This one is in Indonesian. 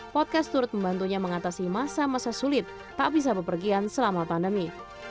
podcast turut membantunya mengatasi masa masa sulit tak bisa berpergian selama pandemi